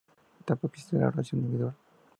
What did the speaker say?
Tampoco existe la oración individual.